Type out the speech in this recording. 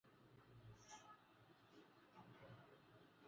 Mti ulipandwa mwaka jana.